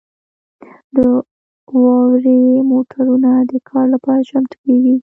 د واورې موټرونه د کار لپاره چمتو کیږي